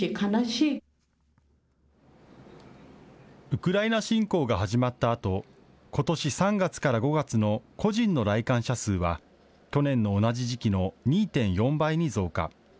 ウクライナ侵攻が始まったあとことし３月から５月の個人の来館者数は去年の同じ時期の２．４倍に増加。